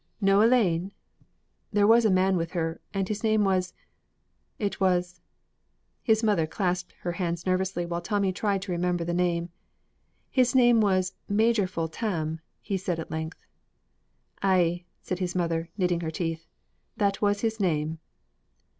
"No alane?" "There was a man with her, and his name was it was " His mother clasped her hands nervously while Tommy tried to remember the name. "His name was Magerful Tam," he said at length. "Ay," said his mother, knitting her teeth, "that was his name."